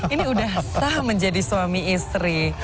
ini udah sah menjadi suami istri